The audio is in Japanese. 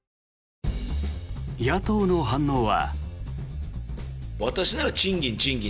野党の反応は。